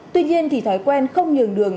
tuy nhiên thói quen không nhường đường